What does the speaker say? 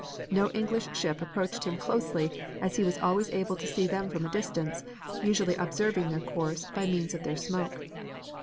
No English ship approached him closely as he was always able to see them from a distance, usually observing their course by means of their smoke.